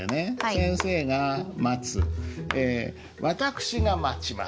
「私が待ちます」。